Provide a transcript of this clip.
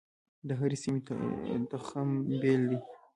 د هرې سیمې تخم بیل دی.